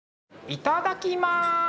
いただきま。